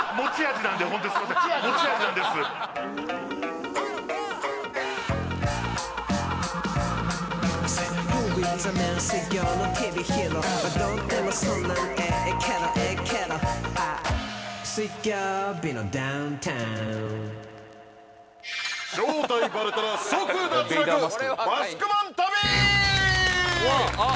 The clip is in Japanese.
ホントにすいません持ち味なんです正体バレたら即脱落マスクマン旅！